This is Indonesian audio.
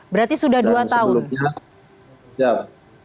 berarti sudah dua tahun